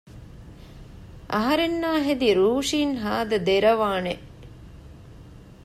އަހަރެންނާހެދި ރޫޝިން ހާދަ ދެރަވާނެ